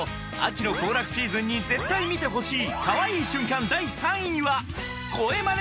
秋の行楽シーズンに絶対見てほしいかわいい瞬間